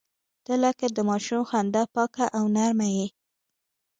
• ته لکه د ماشوم خندا پاکه او نرمه یې.